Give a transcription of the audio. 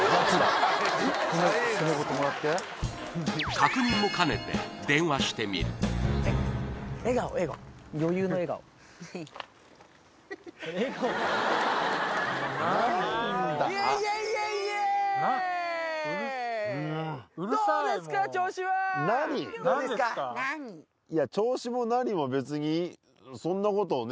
確認もかねて電話してみるうるさい